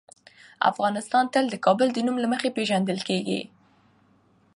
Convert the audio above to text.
افغانستان تل د کابل د نوم له مخې پېژندل کېږي.